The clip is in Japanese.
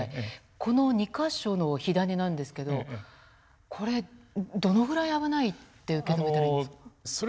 この２か所の火種なんですけどこれどのぐらい危ないって受け止めたらいいんです？